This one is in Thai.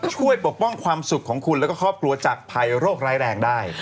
ช่วยปฏิวัติความสุขของคุณและก็เคาะปลัวจักไผร่โรคร้ายแรงได้